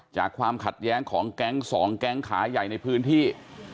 ความขัดแย้งของแก๊ง๒แก๊งขาใหญ่ในพื้นที่